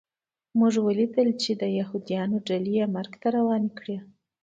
موږ ولیدل چې د یهودانو ډلې یې مرګ ته روانې کړې